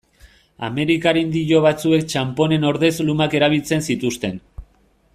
Amerikar indio batzuek txanponen ordez lumak erabiltzen zituzten.